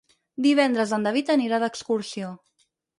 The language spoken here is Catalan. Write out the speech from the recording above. Divendres en David anirà d'excursió.